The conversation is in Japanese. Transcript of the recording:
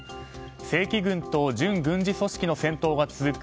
正規軍と準軍事組織の戦闘が続く